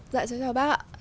dạ chào chào bác ạ